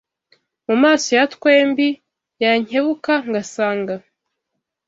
Mu maso ya twembi Yankebuka ngasanga